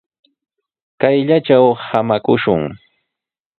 Kayllatraw samakushun.